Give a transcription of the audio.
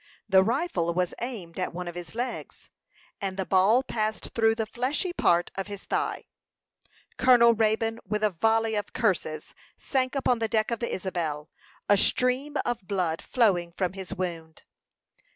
The rifle was aimed at one of his legs, and the ball passed through the fleshy part of his thigh. Colonel Raybone, with a volley of curses, sank upon the deck of the Isabel, a stream of blood flowing from his wound.